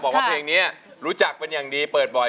บอกว่าเพลงนี้รู้จักเป็นอย่างดีเปิดบ่อย